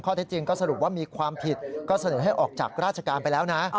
ที่จริงก็สรุปว่ามีความผิดก็เสนอให้ออกจากราชการไปแล้วนะ